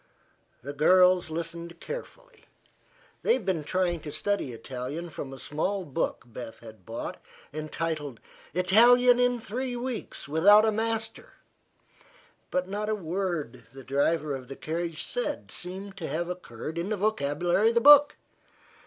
The girls listened carefully. They had been trying to study Italian from a small book Beth had bought entitled "Italian in Three Weeks without a Master," but not a word the driver of the carriage said seemed to have occurred in the vocabulary of the book.